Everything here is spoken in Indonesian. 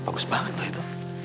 bagus banget loh itu